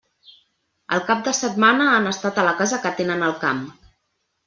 El cap de setmana han estat a la casa que tenen al camp.